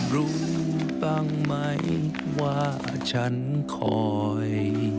รู้บ้างไหมว่าฉันคอย